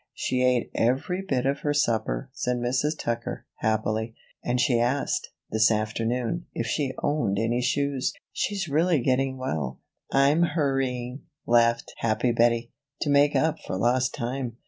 "She ate every bit of her supper," said Mrs. Tucker, happily, "and she asked, this afternoon, if she owned any shoes. She's really getting well." "I'm hurrying," laughed happy Bettie, "to make up for lost time.